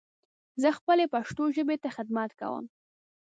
زه خپلې پښتو ژبې ته خدمت کوم.